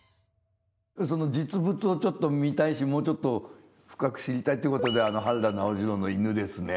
その実物をちょっと見たいしもうちょっと深く知りたいっていうことで原田直次郎の犬ですね。